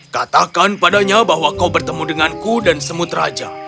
katakan padanya bahwa kau bertemu denganku dan semut raja